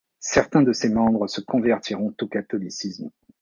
Certains de ses membres se convertiront au catholicisme.